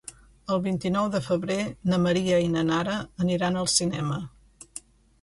El vint-i-nou de febrer na Maria i na Nara aniran al cinema.